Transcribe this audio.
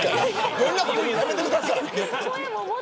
変なこと言うのやめてください。